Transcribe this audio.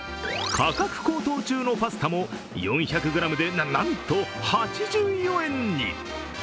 価格高騰中のパスタも４００ｇでな、なんと８４円に。